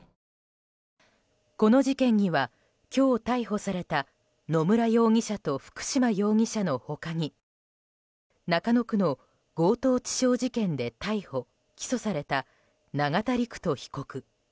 この事件には今日逮捕された野村容疑者と福島容疑者の他に中野区の強盗致傷事件で逮捕・起訴された永田陸人被告。